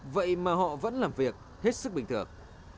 vậy mà họ vẫn làm việc hết sức bình thường